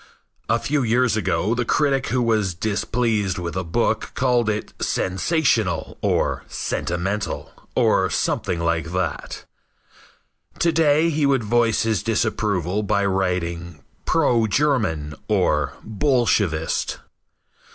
A few years ago the critic who was displeased with a book called it "sensational" or "sentimental" or something like that. To day he would voice his disapproval by writing "Pro German" or "Bolshevist."